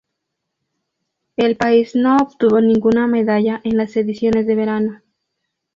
El país no obtuvo ninguna medalla en las ediciones de verano.